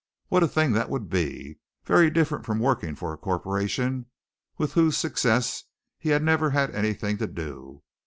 What a thing that would be! Very different from working for a corporation with whose success he had never had anything to do.